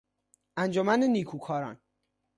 انجمن نیکوکاران